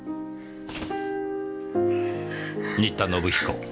新田信彦